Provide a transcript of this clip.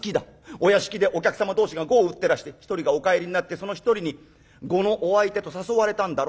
お屋敷でお客様同士が碁を打ってらして一人がお帰りになってその一人に碁のお相手と誘われたんだろ？